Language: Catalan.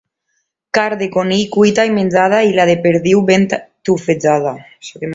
Carn de conill cuita i menjada i la de perdiu ben tufejada.